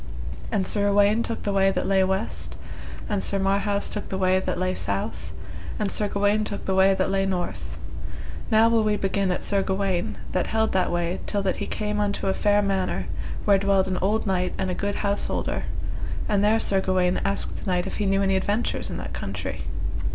And Sir Uwaine took the way that lay west, and Sir Marhaus took the way that lay south, and Sir Gawaine took the way that lay north. Now will we begin at Sir Gawaine, that held that way till that he came unto a fair manor, where dwelled an old knight and a good householder, and there Sir Gawaine asked the knight if he knew any adventures in that country.